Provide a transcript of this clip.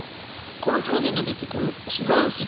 この表現が出てくる「彼岸過迄」。